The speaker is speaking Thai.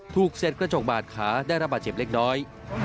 เสร็จกระจกบาดขาได้รับบาดเจ็บเล็กน้อย